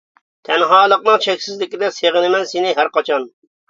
تەنھالىقنىڭ چەكسىزلىكىدە، سېغىنىمەن سېنى ھەر قاچان.